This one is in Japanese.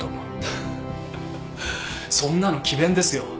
そんなの詭弁ですよ。